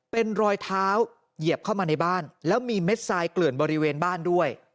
เป็นรอยเท้าเหยียบเข้ามาในบ้านแล้วมีเม็ดทรายเกลื่อนบริเวณบ้านด้วย